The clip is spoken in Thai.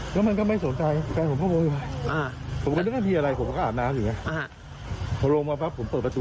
เอามันกลุ่มไอ้ขวานมาเตรียมเลยมันกระโดดข้ามรั้ว